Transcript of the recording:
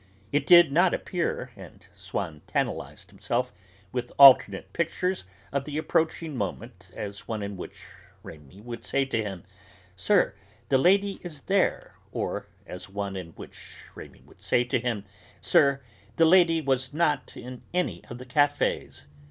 It did not appear, and Swann tantalised himself with alternate pictures of the approaching moment, as one in which Rémi would say to him: "Sir, the lady is there," or as one in which Rémi would say to him: "Sir, the lady was not in any of the cafés."